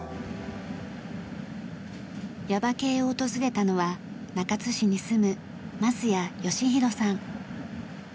耶馬溪を訪れたのは中津市に住む増矢義弘さん。